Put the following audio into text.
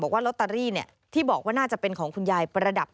ว่าลอตเตอรี่ที่บอกว่าน่าจะเป็นของคุณยายประดับ